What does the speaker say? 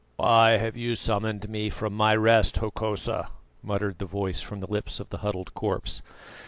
"Why have you summoned me from my rest, Hokosa?" muttered the voice from the lips of the huddled corpse.